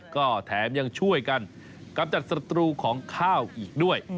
ก็แถมยังช่วยกันกำจัดศัตรูของข้าวอีกด้วย